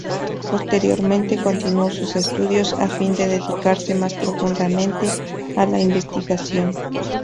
Posteriormente continuó sus estudios, a fin de dedicarse más profundamente a la investigación.